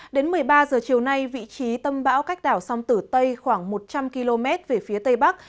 đến một mươi ba giờ chiều nay vị trí tâm bão cách đảo sông tử tây khoảng một trăm linh km về phía tây bắc